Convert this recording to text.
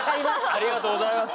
ありがとうございます。